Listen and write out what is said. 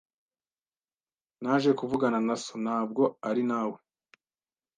Naje kuvugana na so, ntabwo ari nawe.